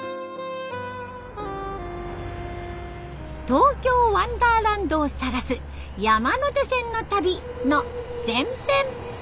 「東京ワンダーランド」を探す山手線の旅の前編。